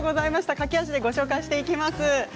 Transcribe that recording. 駆け足でご紹介します。